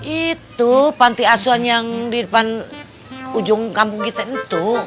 itu panti asuhan yang di depan ujung kampung kita itu